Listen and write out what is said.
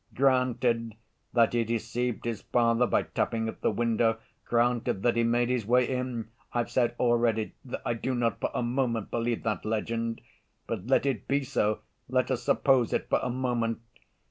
Granted that he deceived his father by tapping at the window, granted that he made his way in—I've said already that I do not for a moment believe that legend, but let it be so, let us suppose it for a moment.